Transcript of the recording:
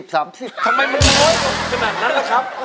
ทำไมมันล้วนขนาดนั้นล่ะครับ